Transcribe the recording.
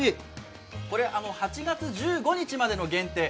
８月１５日までの限定。